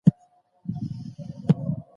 د خوب خرابول بدن ته زیان رسوي.